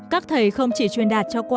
các thầy không chỉ truyền đạt cho quang